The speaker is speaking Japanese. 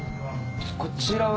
こちらは。